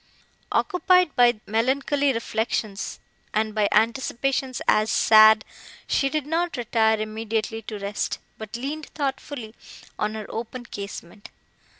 Occupied by melancholy reflections and by anticipations as sad, she did not retire immediately to rest, but leaned thoughtfully on her open casement.